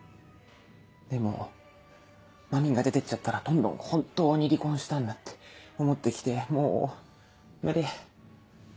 でもまみんが出てっちゃったらどんどん本当に離婚したんだって思ってきてもう無理。